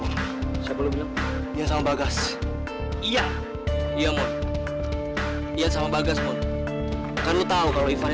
waktu itu habis itu dipukul sama haikal